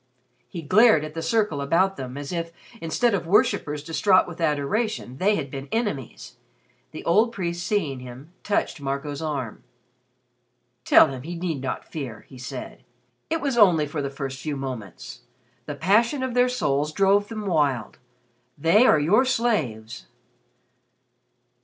He glared at the circle about them as if, instead of worshippers distraught with adoration, they had been enemies. The old priest seeing him, touched Marco's arm. "Tell him he need not fear," he said. "It was only for the first few moments. The passion of their souls drove them wild. They are your slaves."